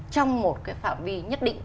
trong một cái phạm vi nhất định